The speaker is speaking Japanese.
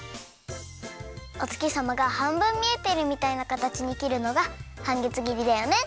おつきさまがはんぶんみえてるみたいなかたちにきるのがはんげつぎりだよね。